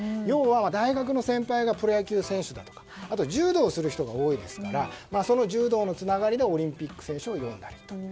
要は大学の先輩がプロ野球選手だとかあとは柔道する人が多いですからその柔道のつながりでオリンピック選手を呼んだり。